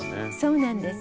そうなんです。